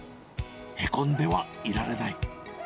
へこんではいられない。